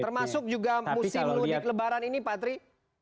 termasuk juga musim lunik lebaran ini patri